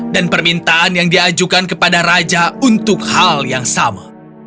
dan permintaan yang diajukan kepada raja untuk hal yang sama